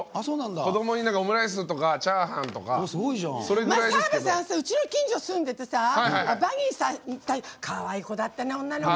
子どもにオムライスとかチャーハンとか澤部さん、私の近所に住んでてさかわいい子だったね、女の子。